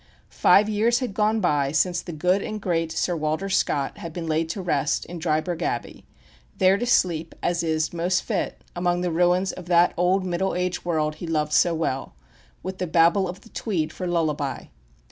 Five years had gone by since the good and great Sir Walter Scott had been laid to rest in Dryburgh Abbey, there to sleep, as is most fit, amid the ruins of that old Middle Age world he loved so well, with the babble of the Tweed for lullaby.